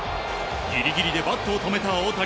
ギリギリでバットを止めた大谷。